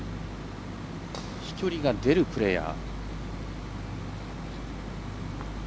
飛距離が出るプレーヤー。